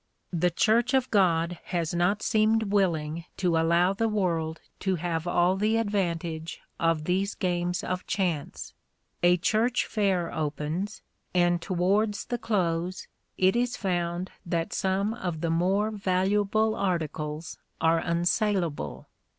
The Church of God has not seemed willing to allow the world to have all the advantage of these games of chance. A church fair opens, and towards the close it is found that some of the more valuable articles are unsalable.